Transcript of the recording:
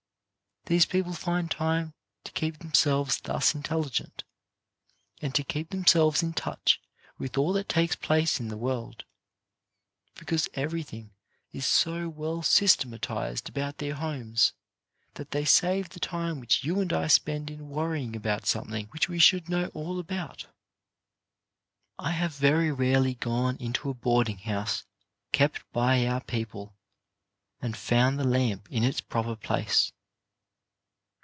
These people find time to keep themselves thus intelligent, and to keep themselves in touch with all that takes place in the world, because everything is so well sys tematized about their homes that they save the time which you and I spend in worrying about something which we should know all about. I have very rarely gone into a boarding house kept by our people and found the lamp in its proper place.